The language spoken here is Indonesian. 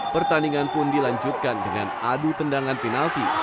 pertandingan pun dilanjutkan dengan adu tendangan penalti